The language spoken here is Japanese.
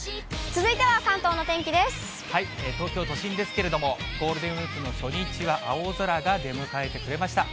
東京都心ですけれども、ゴールデンウィークの初日は青空が出迎えてくれました。